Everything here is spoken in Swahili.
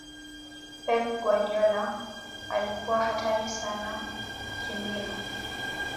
pep guardiola alikuwa hatari sana kimbinu